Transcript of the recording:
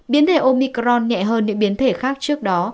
biến thể omicron nhẹ hơn những biến thể khác trước đó